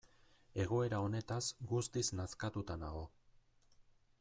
Egoera honetaz guztiz nazkatuta nago.